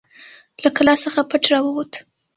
له قلا څخه پټ راووت.